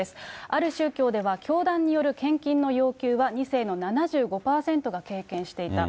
ある宗教では教団による献金の要求は、２世の７５％が経験していた。